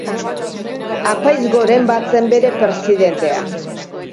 Apaiz goren bat zen bere presidentea.